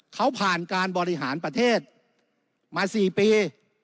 เขาผ่านการบริหารประเทศมา๔ปี